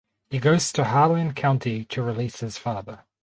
He goes to Harlan County to release his father.